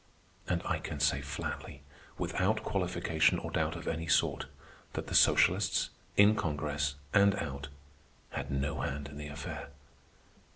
And I can say flatly, without qualification or doubt of any sort, that the socialists, in Congress and out, had no hand in the affair.